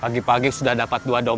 pagi pagi sudah dapat dua dosi